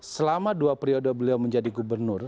selama dua periode beliau menjadi gubernur